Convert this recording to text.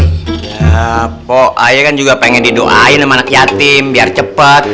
ya po ayah kan juga pengen didoain sama anak yatim biar cepet